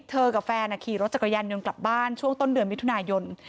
กับแฟนขี่รถจักรยานยนต์กลับบ้านช่วงต้นเดือนมิถุนายน